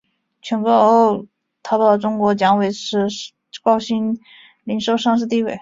全购后淘宝中国将维持高鑫零售上市地位。